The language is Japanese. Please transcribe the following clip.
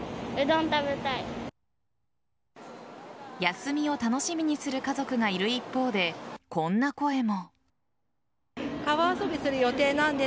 休みを楽しみにする家族がいる一方でこんな声も。